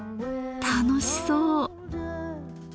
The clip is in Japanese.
楽しそう。